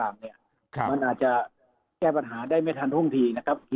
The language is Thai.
มันอาจจะแก้ปัญหาได้ไม่ทันท่วงทีนะครับ